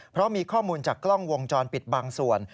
เพราะมีข้อมูลจากกล้องวงจรปิดบางส่วน